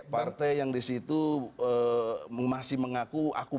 partai yang disitu masih mengaku